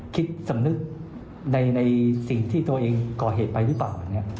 คิดสำนึกในสิ่งที่ตัวเองก่อเหตุไปหรือเปล่า